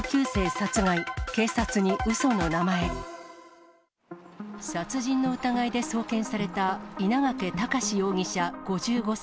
殺人の疑いで送検された稲掛躍容疑者５５歳。